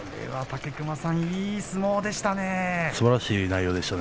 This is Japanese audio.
武隈さん、いい相撲でしたね。